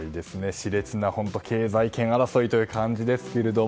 熾烈な経済圏争いという感じですが。